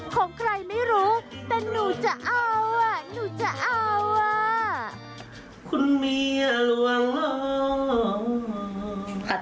ตังค์ใครครับอันนี้ตังค์ใครครับ